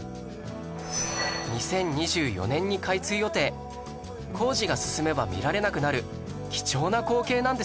２０２４年に開通予定工事が進めば見られなくなる貴重な光景なんですよ